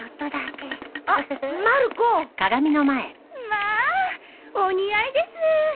まあお似合いです！